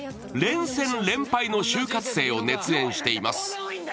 連戦連敗の就活生を熱演しています。